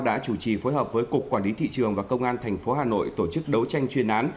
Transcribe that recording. đã chủ trì phối hợp với cục quản lý thị trường và công an tp hà nội tổ chức đấu tranh chuyên án